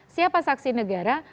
siapa saksi negara